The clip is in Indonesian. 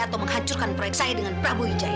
atau menghancurkan proyek saya dengan prabu wijaya